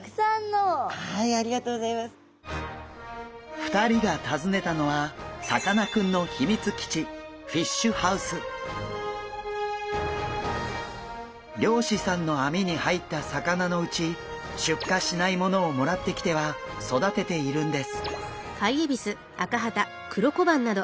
２人が訪ねたのはさかなクンの秘密基地漁師さんの網に入った魚のうち出荷しないものをもらってきては育てているんです。